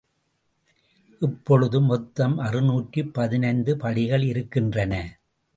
இப்பொழுது மொத்தம் அறுநூற்று பதினைந்து படிகள் இருக்கின்றன.